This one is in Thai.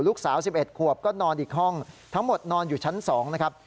๑๑ขวบก็นอนอีกห้องทั้งหมดนอนอยู่ชั้น๒นะครับ